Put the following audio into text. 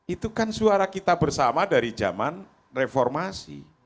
itu kan suara kita bersama dari zaman reformasi